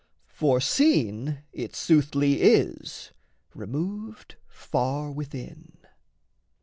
For seen It soothly is, removed far within.